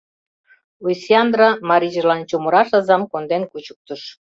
— Ойсяндра марийжылан чумыраш азам конден кучыктыш.